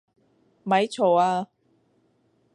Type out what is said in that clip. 咪嘈呀！